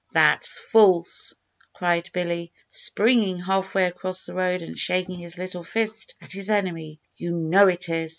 "That's false!" cried Billy, springing half way across the road and shaking his little fist at his enemy "you know it is.